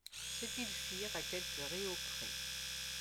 Ce qu’ils firent, à quelques réaux près.